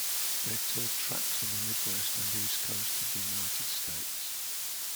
They toured tracks in the Midwest and East Coast of the United States.